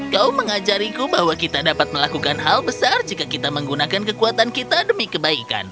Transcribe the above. kau mengajariku bahwa kita dapat melakukan hal besar jika kita menggunakan kekuatan kita demi kebaikan